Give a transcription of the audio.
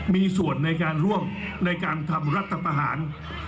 มีส่วนในการร่วมในการทำรัฐประหาร